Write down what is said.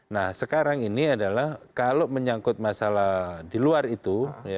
nah sekarang ini adalah kalau menyangkut masalah di luar itu